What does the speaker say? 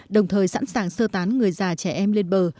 đồng thời sẵn sàng sơ tán người già trẻ em lên bờ